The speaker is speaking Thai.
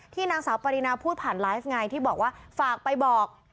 นางสาวปรินาพูดผ่านไลฟ์ไงที่บอกว่าฝากไปบอก